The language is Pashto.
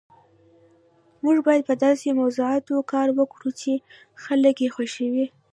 موږ باید په داسې موضوعاتو کار وکړو چې خلک یې خوښوي